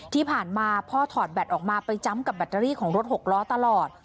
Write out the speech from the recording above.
ที่ผ่านมาพ่อถอดแบตออกมาไปจำกับแบตเตอรี่ของรถหกล้อตลอด